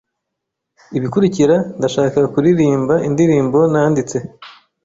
Ibikurikira, ndashaka kuririmba indirimbo nanditse.